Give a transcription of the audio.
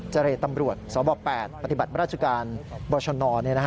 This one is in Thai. เรตำรวจสบ๘ปฏิบัติราชการบชน